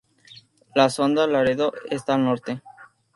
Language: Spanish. La sonda Laredo está al norte.